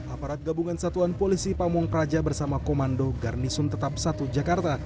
aparat gabungan satuan polisi pamungkraja bersama komando garnison tetap satu jakarta